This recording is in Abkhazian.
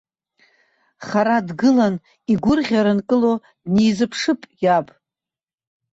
Хара дгылан, игәырӷьара нкыло, днеизыԥшып иаб.